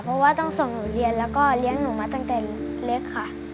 เพราะว่าต้องส่งหนูเรียนแล้วก็เลี้ยงหนูมาตั้งแต่เล็กค่ะ